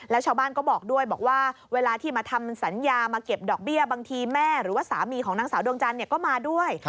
แล้วชาวบ้านก็บอกด้วยบอกว่าเวลาที่มาทำสัญญามาเก็บดอกเบี้ยบางทีแม่หรือว่าสามีของนางสาวดวงจันทร์ก็มาด้วย